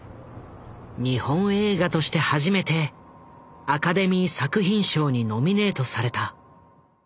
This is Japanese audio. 日本映画として初めてアカデミー作品賞にノミネートされた。